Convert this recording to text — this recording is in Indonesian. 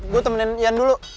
gue temenin sian dulu